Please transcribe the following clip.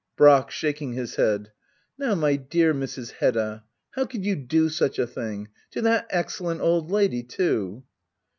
[Shaking his head,] Now my dear Mrs. Hedda, how could you do such a thing ? To that excel lent old lady^ too